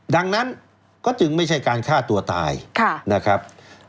ดังนั้นก็จึงไม่ใช่การฆ่าตัวตายนะครับ